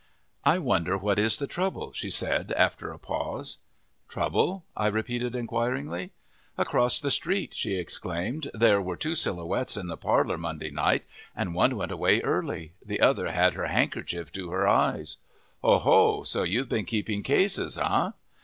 "I wonder what is the trouble?" she said, after a pause. "Trouble?" I repeated inquiringly. "Across the street," she explained, "there were two Silhouettes in the parlor Monday night, and one went away early; the other had her handkerchief to her eyes " "Oho! So you've been keeping cases, eh?"